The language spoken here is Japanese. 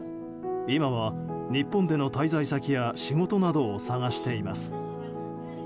今は日本での滞在先や仕事などを探しています。